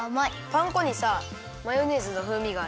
パン粉にさマヨネーズのふうみがある。